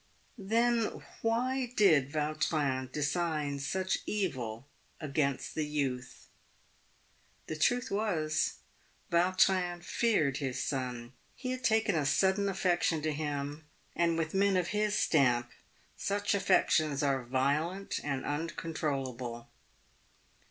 Then why did Vautrin design such evil against the youth ?^ The truth was, Vautrin feared his son. He had taken a sudden affection to him, and with men of his stamp such affections are violent and uncontrollable.